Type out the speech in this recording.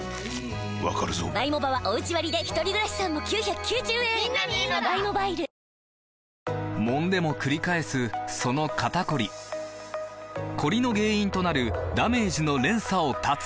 わかるぞもんでもくり返すその肩こりコリの原因となるダメージの連鎖を断つ！